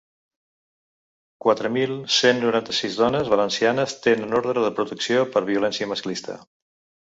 Quatre mil cent noranta-sis dones valencianes tenen ordre de protecció per violència masclista.